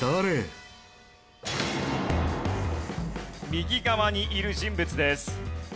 右側にいる人物です。